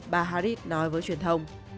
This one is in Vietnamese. bà harris nói với truyền thông